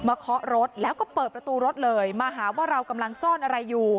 เคาะรถแล้วก็เปิดประตูรถเลยมาหาว่าเรากำลังซ่อนอะไรอยู่